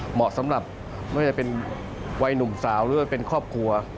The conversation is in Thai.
เหมาะสำหรับไม่ว่าจะเป็นวัยหนุ่มสาวหรือว่าเป็นครอบครัว